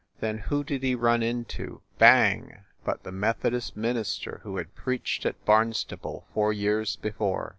Then who did he run into, bang ! but the Methodist minister who had preached at Barnstable four years before.